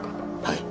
はい。